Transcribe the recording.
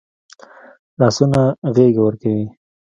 لاسونه غېږ ورکوي